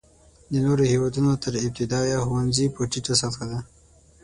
د نورو هېوادونو تر ابتدایه ښوونځیو په ټیټه سطحه دی.